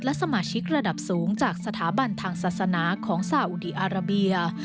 และสมาชิกระดับสูงจากสถาบันทางศาสนาของสาอุดีอาราเบีย